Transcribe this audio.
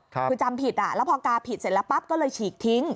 คือจำผิดอ่ะแล้วพอกาผิดเสร็จแล้วปั๊บก็เลยฉีกทิ้ง